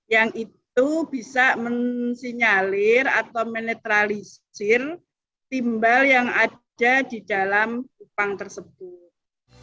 yang itu bisa mensinyalir atau menetralisir timbal yang ada di dalam kupang tersebut